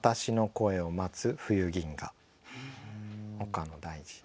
岡野大嗣。